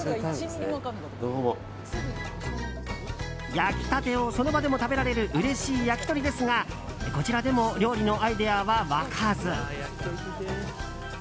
焼きたてをその場でも食べられるうれしい焼き鳥ですがこちらでも料理のアイデアは湧かず。